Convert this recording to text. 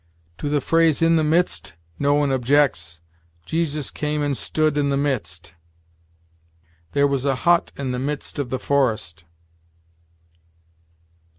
To the phrase in the midst no one objects. "Jesus came and stood in the midst." "There was a hut in the midst of the forest."